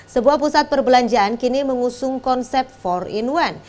sebuah pusat perbelanjaan kini mengusung konsep empat in satu